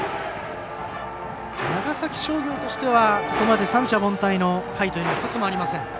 長崎商業としてはここまで三者凡退の回というのは１つもありません。